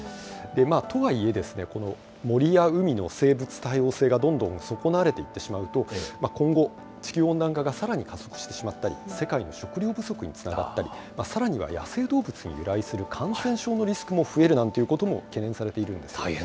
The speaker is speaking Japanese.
とはいえ、この森や海の生物多様性がどんどん損なわれていってしまうと、今後、地球温暖化がさらに加速してしまったり、世界の食料不足につながったり、さらには野生動物に由来する感染症のリスクも増えるなんていうことも懸念されているんです。